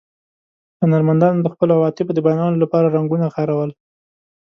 هنرمندانو د خپلو عواطفو د بیانولو له پاره رنګونه کارول.